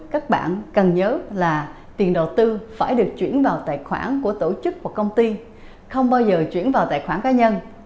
các bạn cần nhớ là tiền đầu tư phải được chuyển vào tài khoản của tổ chức và công ty không bao giờ chuyển vào tài khoản cá nhân